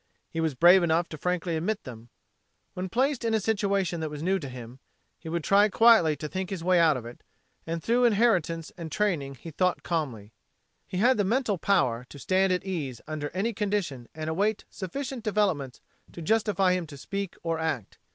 He was brave enough to frankly admit them. When placed in a situation that was new to him, he would try quietly to think his way out of it; and through inheritance and training he thought calmly. He had the mental power to stand at ease under any condition and await sufficient developments to justify him to speak or act.